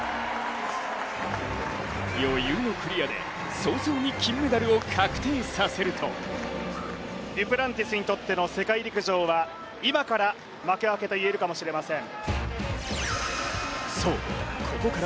余裕のクリアで早々に金メダルを確定させるとデュプランティスにとっての世界陸上は今から、幕開けと言えるかもしれません。